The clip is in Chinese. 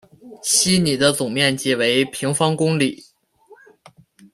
希尼的总面积为平方公里。